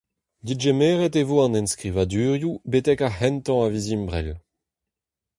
Degemeret e vo an enskrivadurioù betek ar c'hentañ a viz Ebrel.